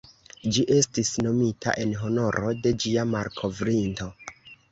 Ĝi estis nomita en honoro de ĝia malkovrinto.